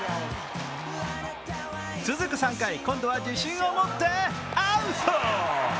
続く３回、今度は自信を持ってアウト！